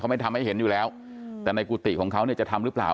ไม่ทำให้เห็นอยู่แล้วแต่ในกุฏิของเขาเนี่ยจะทำหรือเปล่า